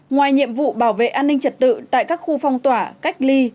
ngoài nhiệm vụ bảo vệ an ninh trật tự tại các khu phong tỏa cách ly